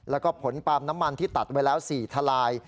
แล้วก็ผลปาล์มน้ำมันที่ตัดไว้แล้ว๔ทลาย